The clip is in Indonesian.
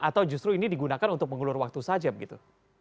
atau justru ini digunakan untuk mengulur waktu saja begitu